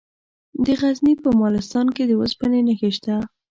د غزني په مالستان کې د اوسپنې نښې شته.